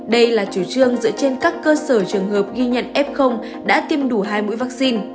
đây là chủ trương dựa trên các cơ sở trường hợp ghi nhận f đã tiêm đủ hai mũi vaccine